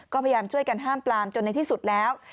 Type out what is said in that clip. ก็พยายามช่วยกันห้ามปลามจนในที่สุดแล้ว